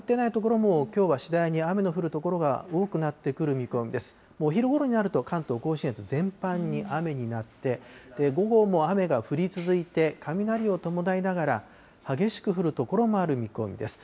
もうお昼ごろになると、関東甲信越全般に雨になって、午後も雨が降り続いて、雷を伴いながら、激しく降る所もある見込みです。